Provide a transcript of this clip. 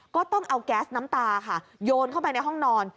ก็ต้องเอาแก๊สน้ำตาค่ะโยนเข้าไปในห้องนอน